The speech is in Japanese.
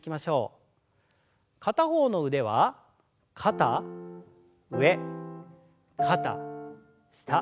片方の腕は肩上肩下。